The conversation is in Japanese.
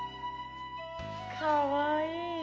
かわいい。